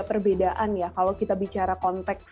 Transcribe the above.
perbedaan ya kalau kita bicara konteks